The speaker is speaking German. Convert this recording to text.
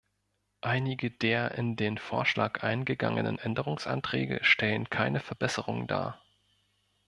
Einige der in den Vorschlag eingegangenen Änderungsanträge stellen keine Verbesserungen dar.